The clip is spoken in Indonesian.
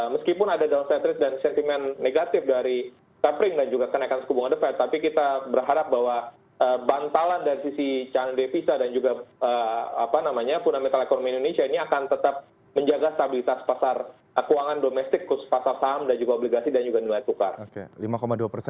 meskipun ada down setris dan sentimen negatif dari cappering dan juga kenaikan suku bunga the fed tapi kita berharap bahwa bantalan dari sisi devisa dan juga fundamental ekonomi indonesia ini akan tetap menjaga stabilitas pasar keuangan domestik khusus pasar saham dan juga obligasi dan juga nilai tukar